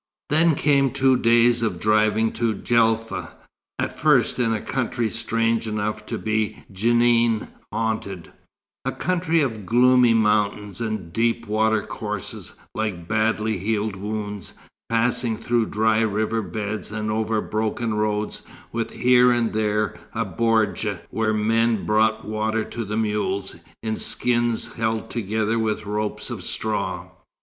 Then came two days of driving to Djelfa, at first in a country strange enough to be Djinn haunted, a country of gloomy mountains, and deep water courses like badly healed wounds; passing through dry river beds, and over broken roads with here and there a bordj where men brought water to the mules, in skins held together with ropes of straw.